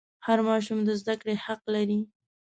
هر ماشوم د زده کړې حق لري.